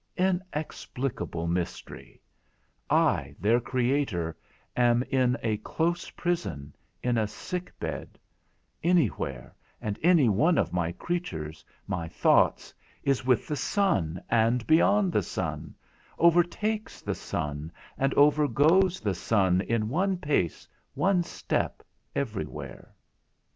Inexplicable mystery; I their creator am in a close prison, in a sick bed, any where, and any one of my creatures, my thoughts, is with the sun, and beyond the sun, overtakes the sun, and overgoes the sun in one pace, one step, everywhere.